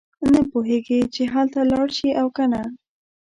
نه پوهېږي چې هلته لاړ شي او کنه.